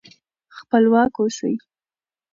خپلواک اوسئ.